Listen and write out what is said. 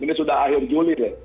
ini sudah akhir juli